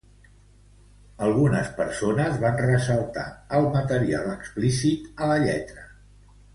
Algunes persones van ressaltar el material explícit a la lletra.